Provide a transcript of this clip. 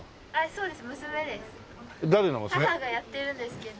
そうです。